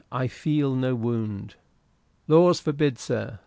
I feel no wound." "Laws forbid, sir!"